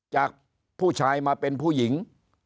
จากผู้ชายมาเป็นผู้หญิง